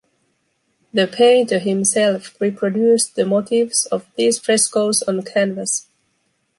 The painter himself reproduced the motifs of these frescos on canvas.